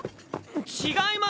違います！